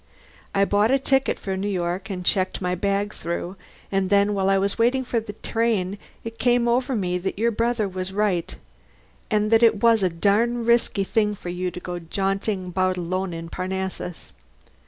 I bought a ticket for New York and checked my bag through. And then while I was waiting for the train it came over me that your brother was right, and that it was a darned risky thing for you to go jaunting about alone in Parnassus.